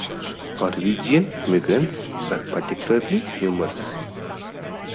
Norwegian immigrants were particularly numerous.